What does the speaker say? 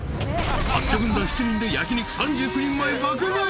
［マッチョ軍団７人で焼き肉３９人前爆食い］